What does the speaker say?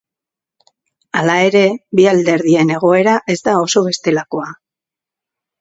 Hala ere, bi alderdien egoera ez da oso bestelakoa.